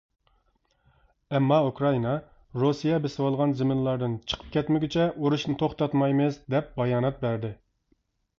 ئەمما ئۇكرائىنا :« رۇسىيە بېسىۋالغان زېمىنلاردىن چىقىپ كەتمىگۈچە، ئۇرۇشنى توختاتمايمىز» دەپ بايانات بەردى.